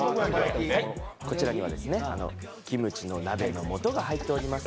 こちらには、キムチの鍋の素が入っております。